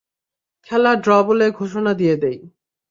খেলা ড্র বলে ঘোষণা দিয়ে দেই?